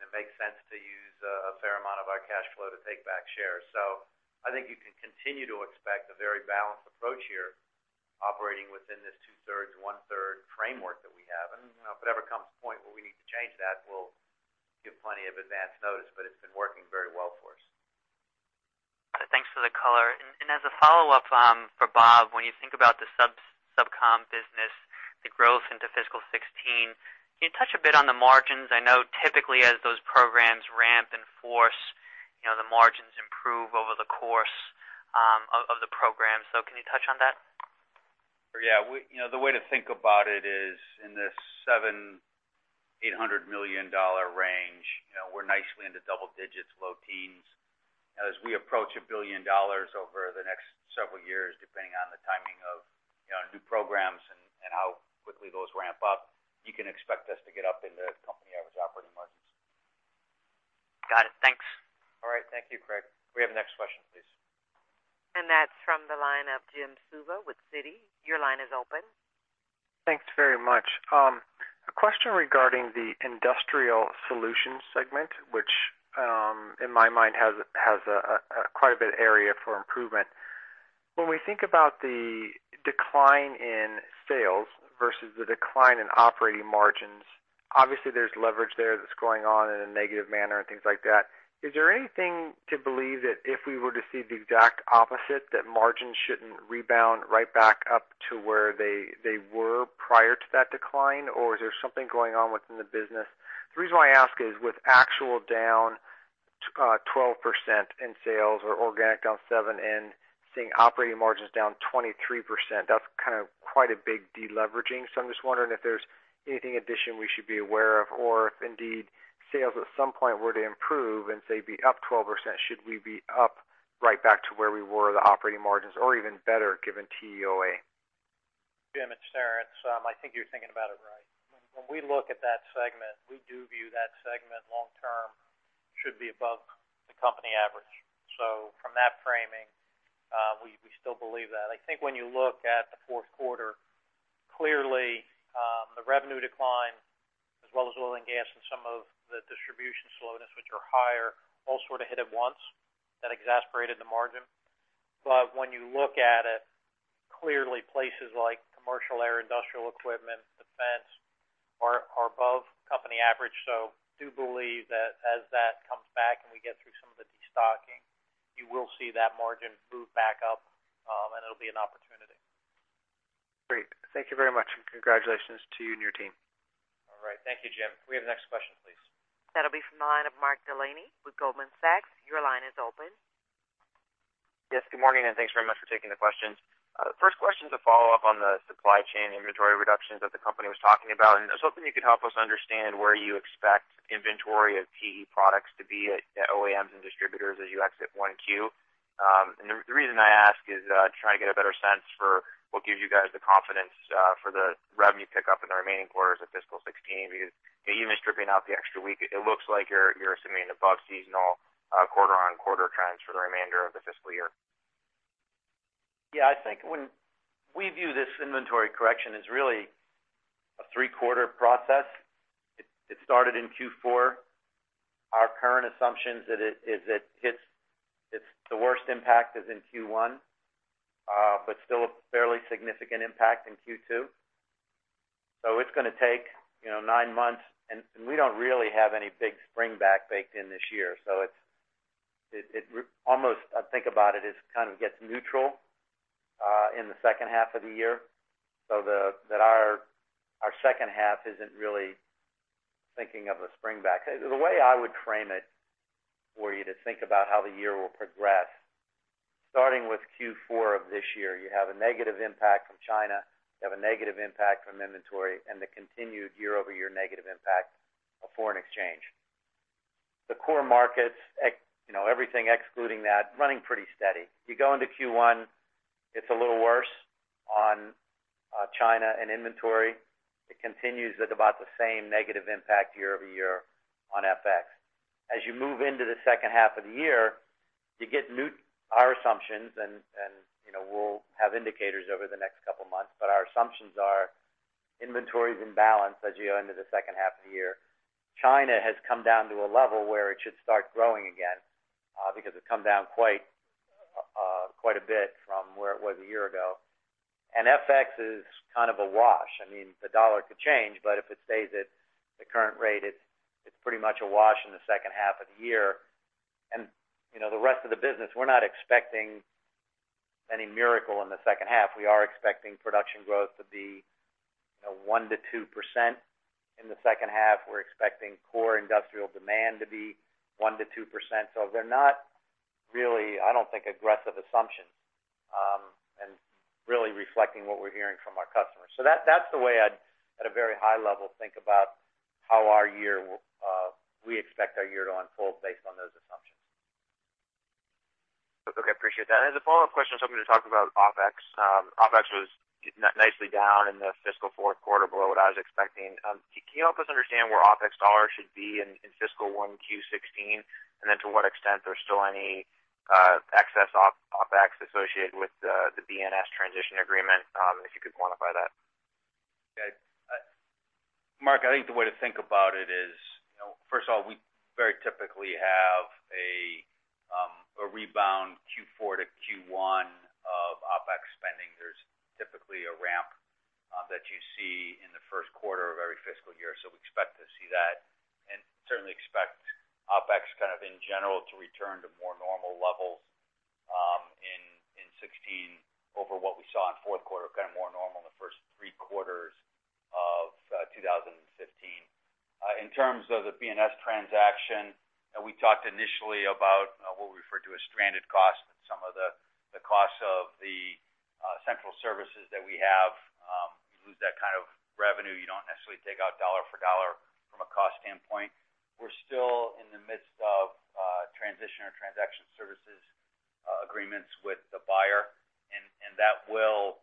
and it makes sense to use a fair amount of our cash flow to take back shares. So I think you can continue to expect a very balanced approach here, operating within this two-thirds, one-third framework that we have. And, you know, if ever comes a point where we need to change that, we'll give plenty of advanced notice, but it's been working very well for us. Thanks for the color. And as a follow-up for Bob, when you think about the SubCom business, the growth into fiscal 2016, can you touch a bit on the margins? I know typically as those programs ramp and force, you know, the margins improve over the course of the program. So can you touch on that? Yeah. We, you know, the way to think about it is in this $700-$800 million range, you know, we're nicely into double digits, low teens. As we approach $1 billion over the next several years, depending on the timing of, you know, new programs and how quickly those ramp up, you can expect us to get up into company average operating margins. Got it. Thanks. All right. Thank you, Craig. Can we have the next question, please? That's from the line of Jim Suva with Citi. Your line is open. Thanks very much. A question regarding the Industrial Solutions segment, which, in my mind, has a quite a bit of area for improvement. When we think about the decline in sales versus the decline in operating margins, obviously, there's leverage there that's going on in a negative manner and things like that. Is there anything to believe that if we were to see the exact opposite, that margins shouldn't rebound right back up to where they were prior to that decline? Or is there something going on within the business? The reason why I ask is with actual down 12% in sales or organic down 7%, and seeing operating margins down 23%, that's kind of quite a big deleveraging. I'm just wondering if there's anything additional we should be aware of, or if indeed, sales at some point were to improve and say, be up 12%, should we be up right back to where we were, the operating margins, or even better, given TEOA? Jim, it's Terrence. I think you're thinking about it right. When we look at that segment, we do view that segment long term, should be above the company average. So from that framing, we still believe that. I think when you look at the fourth quarter, clearly, the revenue decline, as well as Oil and Gas and some of the distribution slowness, which are higher, all sort of hit at once. That exacerbated the margin. But when you look at it, clearly, places like Commercial Air, Industrial Equipment, Defense, are above company average. So do believe that as that comes back and we get through some of the destocking, you will see that margin move back up, and it'll be an opportunity. Great. Thank you very much, and congratulations to you and your team. All right. Thank you, Jim. Can we have the next question, please? That'll be from the line of Mark Delaney with Goldman Sachs. Your line is open. Yes, good morning, and thanks very much for taking the questions. First question to follow up on the supply chain inventory reductions that the company was talking about, and I was hoping you could help us understand where you expect inventory of TE products to be at OEMs and distributors as you exit 1Q. And the reason I ask is trying to get a better sense for what gives you guys the confidence for the revenue pickup in the remaining quarters of fiscal 2016, because even stripping out the extra week, it looks like you're assuming above seasonal quarter-on-quarter trends for the remainder of the fiscal year. Yeah, I think when we view this inventory correction as really a three-quarter process. It started in Q4. Our current assumptions that it is that it's the worst impact is in Q1, but still a fairly significant impact in Q2. So it's gonna take, you know, nine months, and we don't really have any big springback baked in this year. So it almost, I think about it, as kind of gets neutral in the second half of the year. So that our second half isn't really thinking of a springback. The way I would frame it for you to think about how the year will progress, starting with Q4 of this year, you have a negative impact from China, you have a negative impact from inventory, and the continued year-over-year negative impact of foreign exchange. The core markets, ex- you know, everything excluding that, running pretty steady. You go into Q1, it's a little worse on China and inventory. It continues at about the same negative impact year-over-year on FX. As you move into the second half of the year, you get our assumptions, and, and, you know, we'll have indicators over the next couple of months, but our assumptions are inventory is in balance as you go into the second half of the year. China has come down to a level where it should start growing again, because it's come down quite, quite a bit from where it was a year ago. And FX is kind of a wash. I mean, the dollar could change, but if it stays at the current rate, it's, it's pretty much a wash in the second half of the year. You know, the rest of the business, we're not expecting any miracle in the second half. We are expecting production growth to be, you know, 1%-2% in the second half. We're expecting core industrial demand to be 1%-2%. So they're not really, I don't think, aggressive assumptions, and really reflecting what we're hearing from our customers. So that, that's the way I'd, at a very high level, think about how our year will, we expect our year to unfold based on those assumptions. Okay, appreciate that. As a follow-up question, something to talk about OpEx. OpEx was nicely down in the fiscal fourth quarter, below what I was expecting. Can you help us understand where OpEx dollars should be in fiscal 1Q16? And then to what extent there's still any excess OpEx associated with the BNS transition agreement, if you could quantify that? Okay. Mark, I think the way to think about it is, you know, first of all, we very typically have a rebound Q4 to Q1 of OpEx spending. There's typically a ramp that you see in the first quarter of every fiscal year, so we expect to see that. And certainly expect OpEx, kind of in general, to return to more normal levels, in '16 over what we saw in fourth quarter, kind of more normal in the first three quarters of two thousand and fifteen. In terms of the BNS transaction, and we talked initially about what we referred to as stranded costs, some of the costs of the central services that we have, you lose that kind of revenue, you don't necessarily take out dollar for dollar from a cost standpoint. We're still in the midst of transition or transaction services agreements with the buyer, and that will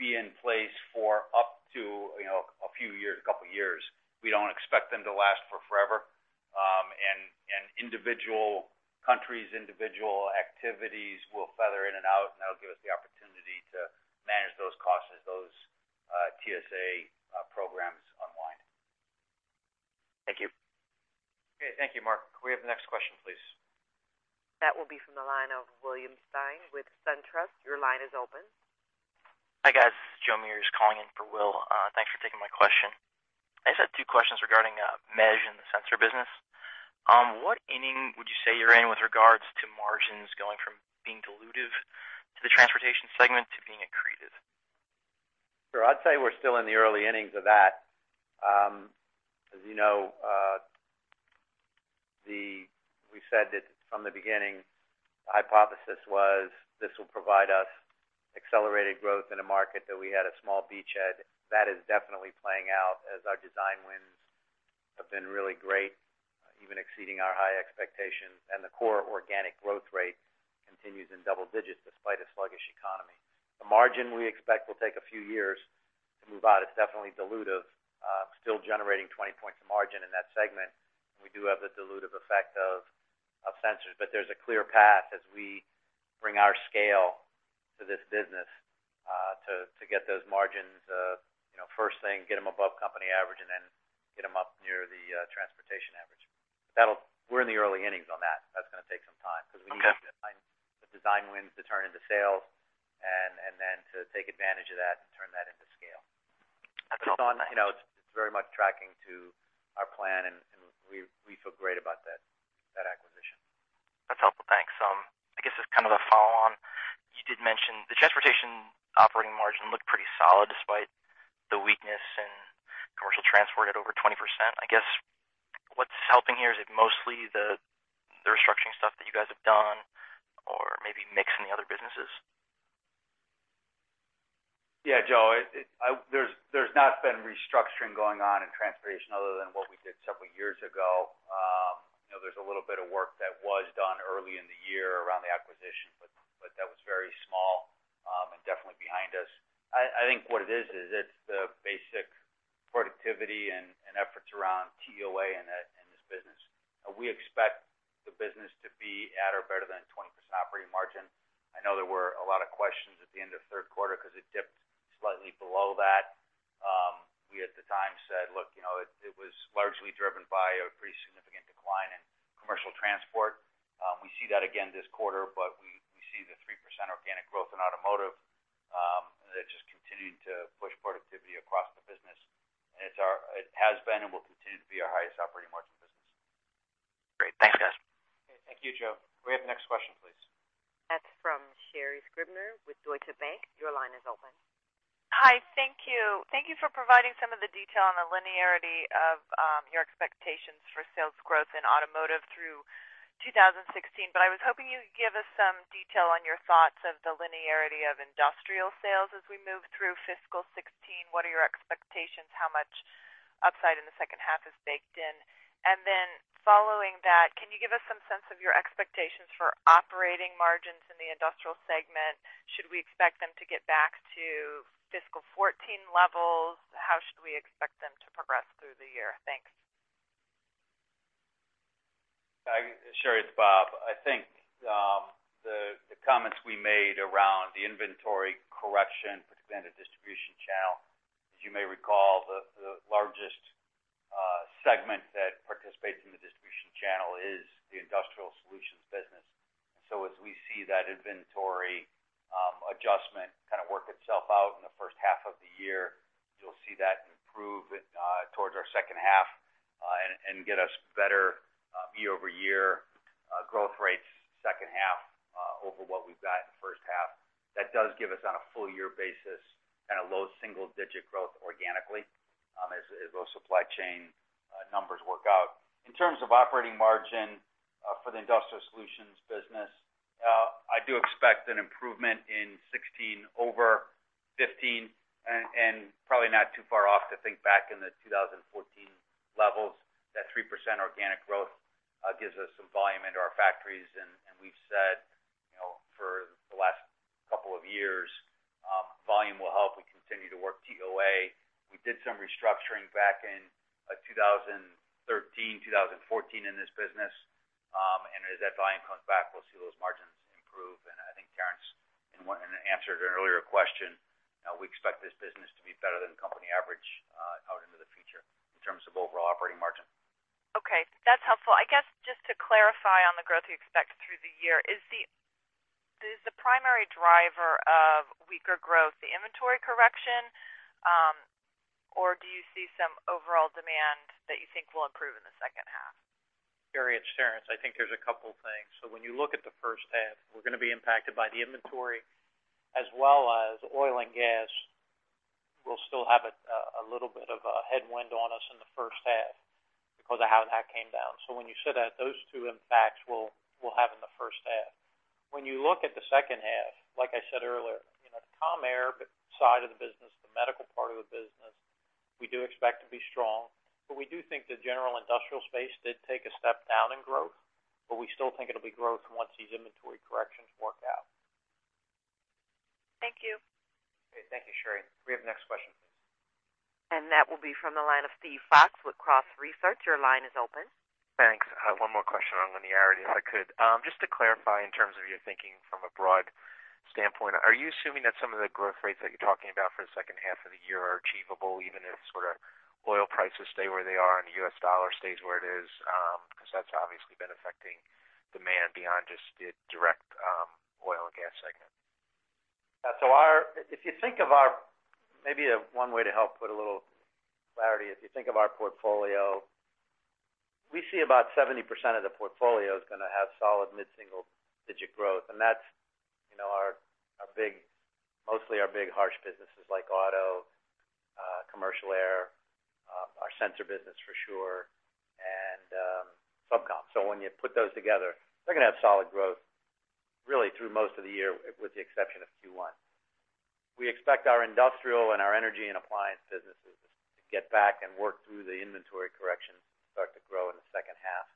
be in place for up to, you know, a few years, a couple of years. We don't expect them to last forever. And individual countries, individual activities will phase in and out, and that'll give us the opportunity to manage those costs as those TSA programs unwind. Thank you. Okay, thank you, Mark. Can we have the next question, please? That will be from the line of William Stein with SunTrust. Your line is open. Hi, guys. This is Joe Meares calling in for Will. Thanks for taking my question. I just had two questions regarding mesh and the sensor business. What inning would you say you're in with regards to margins going from being dilutive to the Transportation segment to being accretive? Sure. I'd say we're still in the early innings of that. As you know, we said that from the beginning, the hypothesis was this will provide us accelerated growth in a market that we had a small beachhead. That is definitely playing out as our design wins have been really great, even exceeding our high expectations, and the core organic growth rate continues in double digits despite a sluggish economy. The margin, we expect, will take a few years to move out. It's definitely dilutive, still generating 20 points of margin in that segment. We do have the dilutive effect of Sensors, but there's a clear path as we bring our scale to this business, to get those margins, you know, first thing, get them above company average, and then get them up near the Transportation average. That'll... We're in the early innings on that. That's going to take some time- Okay. -because we need to design the design wins to turn into sales, and then to take advantage of that and turn that into scale. That's all. You know, it's very much tracking to our plan, and we feel great about that acquisition. That's helpful. Thanks. I guess as kind of a follow-on, you did mention the Transportation operating margin looked pretty solid despite the weakness in commercial transport at over 20%. I guess, what's helping here, is it mostly the restructuring stuff that you guys have done or maybe mix in the other businesses? Yeah, Joe... There's not been restructuring going on in Transportation other than what we did several years ago. You know, there's a little bit of work that was done early in the year around the acquisition, but that was very small, and definitely behind us. I think what it is, is it's the basic productivity and efforts around TEOA in that, in this business. We expect the business to be at or better than a 20% operating margin. I know there were a lot of questions at the end of the third quarter because it dipped slightly below that. We at the time said, "Look, you know, it was largely driven by a pretty significant decline in commercial transport." We see that again this quarter, but we see the 3% organic growth in Automotive that just continued to push productivity across the business. And it's our—it has been and will continue to be our highest operating margin business. Great. Thanks, guys. Thank you, Joe. Can we have the next question, please? That's from Sherri Scribner with Deutsche Bank. Your line is open. Hi, thank you. Thank you for providing some of the detail on the linearity of your expectations for sales growth in Automotive through 2016. But I was hoping you'd give us some detail on your thoughts of the linearity of Industrial sales as we move through fiscal 2016. What are your expectations? How much upside in the second half is baked in? And then following that, can you give us some sense of your expectations for operating margins in the Industrial segment? Should we expect them to get back to fiscal 2014 levels? How should we expect them to progress through the year? Thanks. Hi, Sherri, it's Bob. I think, the comments we made around the inventory correction, particularly in the distribution channel, as you may recall, the largest segment that participates in the distribution channel is the Industrial Solutions business. So as we see that inventory adjustment kind of work itself out in the first half of the year, you'll see that improve towards our second half, and get us better year-over-year growth rates second half over what we've got in the first half. That does give us, on a full year basis, kind of low single-digit growth organically, as those supply chain numbers work out. In terms of operating margin, for the Industrial Solutions business, I do expect an improvement in 2016 over 2015, and probably not too far off to think back in the 2014 levels, that 3% organic growth gives us some volume into our factories. And we've said, you know, for the last couple of years, volume will help. We continue to work TEOA. We did some restructuring back in 2013, 2014, in this business. And as that volume comes back, we'll see those margins improve. And I think Terrence, in an answer to an earlier question, we expect this business to be better than company average, out into the future in terms of overall operating margin. Okay, that's helpful. I guess, just to clarify on the growth you expect through the year, is the primary driver of weaker growth the inventory correction, or do you see some overall demand that you think will improve in the second half? Sherri, it's Terrence. I think there's a couple things. So when you look at the first half, we're going to be impacted by the inventory as well as Oil and Gas will still have a little bit of a headwind on us in the first half because of how that came down. So when you sit at those two impacts, we'll have in the first half. When you look at the second half, like I said earlier, you know, the Commercial Air side of the business, the Medical part of the business, we do expect to be strong, but we do think the general industrial space did take a step down in growth, but we still think it'll be growth once these inventory corrections work out. Thank you. Okay. Thank you, Sherri. Can we have the next question, please? That will be from the line of Steve Fox with Cross Research. Your line is open. Thanks. One more question on linearity, if I could. Just to clarify, in terms of your thinking from a broad standpoint, are you assuming that some of the growth rates that you're talking about for the second half of the year are achievable, even if sort of oil prices stay where they are and the U.S. dollar stays where it is? Because that's obviously been affecting demand beyond just the direct, Oil and Gas segment. Yeah, so if you think of our, maybe, one way to help put a little clarity, if you think of our portfolio, we see about 70% of the portfolio is going to have solid mid-single-digit growth, and that's, you know, our, our big, mostly our big harsh businesses like auto, commercial aero, our sensor business for sure, and, SubCom. So when you put those together, they're going to have solid growth really through most of the year, with the exception of Q1. We expect our industrial and our energy and appliance businesses to get back and work through the inventory correction, start to grow in the second half.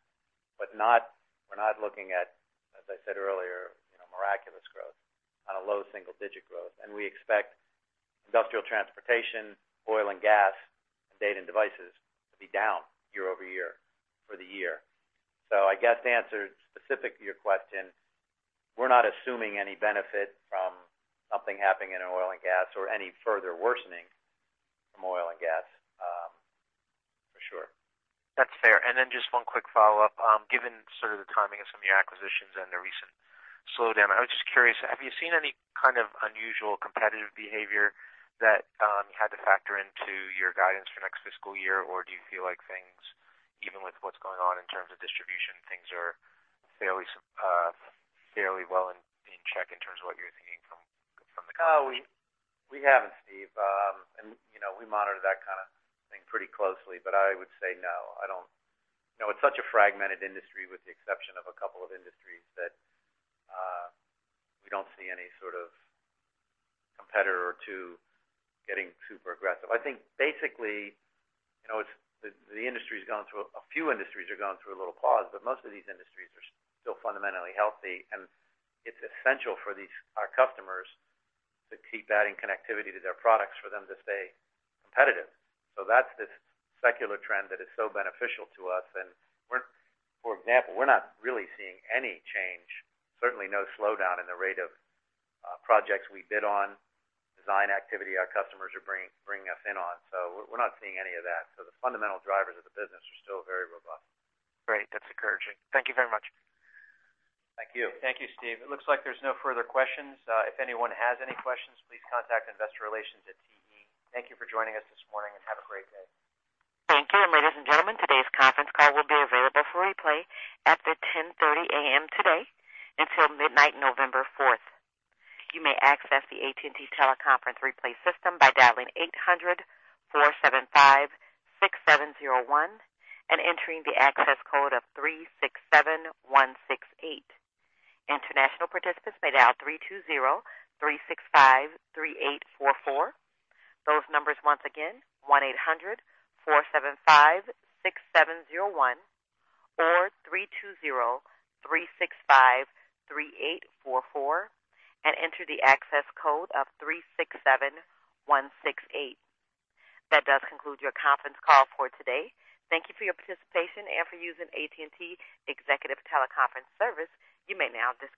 But we're not looking at, as I said earlier, you know, miraculous growth on a low single-digit growth. We expect Industrial, Transportation, Oil and Gas, and Data and Devices to be down year-over-year for the year. I guess to answer specifically your question, we're not assuming any benefit from something happening in Oil and Gas or any further worsening from Oil and Gas, for sure. That's fair. And then just one quick follow-up. Given sort of the timing of some of the acquisitions and the recent slowdown, I was just curious, have you seen any kind of unusual competitive behavior that you had to factor into your guidance for next fiscal year? Or do you feel like things, even with what's going on in terms of distribution, things are fairly well in check in terms of what you're thinking from the company? Oh, we haven't, Steve. You know, we monitor that kind of thing pretty closely, but I would say no, I don't... You know, it's such a fragmented industry, with the exception of a couple of industries, that we don't see any sort of competitor to getting super aggressive. I think basically, you know, it's the industry's gone through a few industries are going through a little pause, but most of these industries are still fundamentally healthy, and it's essential for our customers to keep adding connectivity to their products, for them to stay competitive. So that's this secular trend that is so beneficial to us. For example, we're not really seeing any change, certainly no slowdown in the rate of projects we bid on, design activity our customers are bringing us in on, so we're not seeing any of that. So the fundamental drivers of the business are still very robust. Great. That's encouraging. Thank you very much. Thank you. Thank you, Steve. It looks like there's no further questions. If anyone has any questions, please contact Investor Relations at TE. Thank you for joining us this morning, and have a great day. Thank you. Ladies and gentlemen, today's conference call will be available for replay after 10:30 A.M. today until midnight, November fourth. You may access the AT&T teleconference replay system by dialing 800-475-6701 and entering the access code of 367168. International participants may dial 320-365-3844. Those numbers once again, 1-800-475-6701 or 320-365-3844 and enter the access code of 367168. That does conclude your conference call for today. Thank you for your participation and for using AT&T Executive Teleconference Service. You may now disconnect.